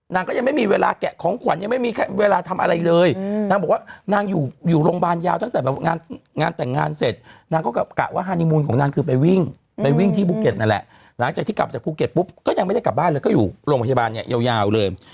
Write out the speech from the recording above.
นางก็ยังไม่มีเวลาแกะของขวัญยังไม่มีเวลาทำอะไรเลยนางบอกว่านางอยู่อยู่โรงพยาบาลยาวตั้งแต่แบบงานแต่งงานเสร็จนางก็กะว่าฮานีมูลของนางคือไปวิ่งไปวิ่งที่ภูเก็ตนั่นแหละหลังจากที่กลับจากภูเก็ตปุ๊บก็ยังไม่ได้กลับบ้านเลยก็อยู่โรงพยาบาลเนี่ยยาวเลย